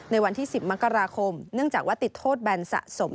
ในวันที่๑๐มกราคมเนื่องจากว่าติดโทษแบนสะสม